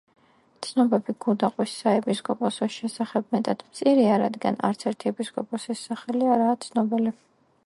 ცნობები გუდაყვის საეპისკოპოსოს შესახებ მეტად მწირია, რადგანაც არც ერთი ეპისკოპოსის სახელი არაა ცნობილი.